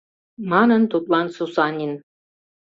Манын тудлан Сусанин.